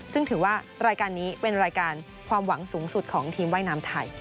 ซึ่งถือว่ารายการนี้เป็นรายการความหวังสูงสุดของทีมว่ายน้ำไทย